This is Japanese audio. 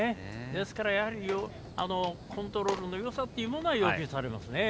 ですからコントロールのよさというものは要求されますね。